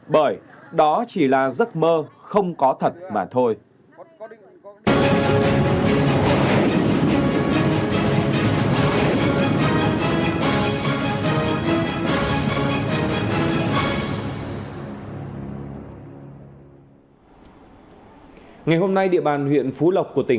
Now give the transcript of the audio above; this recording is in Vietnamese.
bởi đó chỉ là giấc mơ không có thật mà thôi